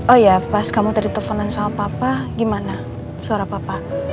oh iya pas kamu tadi teleponan sama papa gimana suara papa